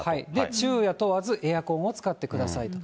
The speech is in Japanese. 昼夜問わず、エアコンを使ってくださいと。